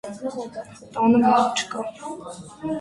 Տանը մարդ չկա: